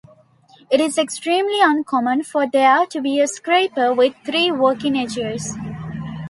It is extremely uncommon for there to be a scraper with three working edges.